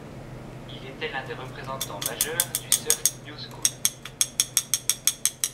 Il était l'un des représentants majeurs du surf new-school.